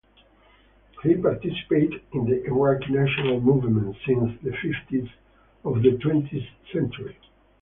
He participated in the Iraqi national movement since the fifties of the twentieth century.